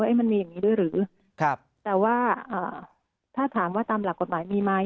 มันมีอย่างนี้ด้วยหรือครับแต่ว่าถ้าถามว่าตามหลักกฎหมายมีไหม